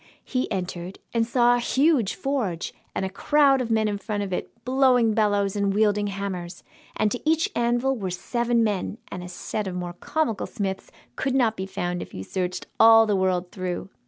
He entered, and saw a huge forge, and a crowd of men in front of it, blowing bellows and wielding hammers, and to each anvil were seven men, and a set of more comical smiths could not be found if you searched all the world through!